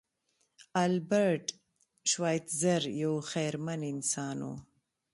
البرټ شوایتزر یو خیرمن انسان و.